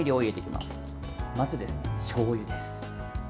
まず、しょうゆです。